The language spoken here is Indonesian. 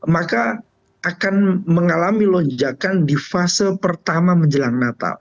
maka akan mengalami lonjakan di fase pertama menjelang natal